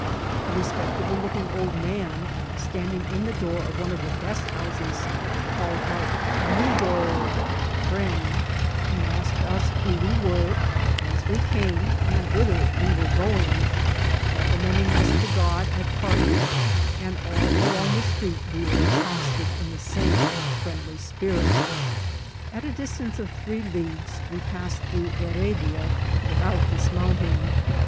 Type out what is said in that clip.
A respectable looking old man, standing in the door of one of the best housesi called out ^^Amigo,'' ^^firiend," and asked us who we were, whence we came, and ^riiither we were going, recommending us to Gtxi at parting ; and aU along the street we were accosted in the same friendly spirit At a distance of three leagues we passed throu^ Heredia without dismounting.